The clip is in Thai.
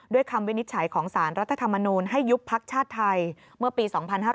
คำวินิจฉัยของสารรัฐธรรมนูลให้ยุบพักชาติไทยเมื่อปี๒๕๕๙